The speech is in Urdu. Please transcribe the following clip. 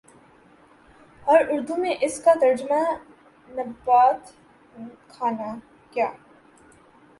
اور اردو میں اس کا ترجمہ نبات خانہ کیا